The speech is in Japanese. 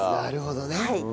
なるほどね。